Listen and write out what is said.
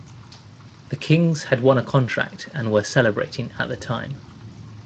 The Kings had won a contract and were celebrating at the time.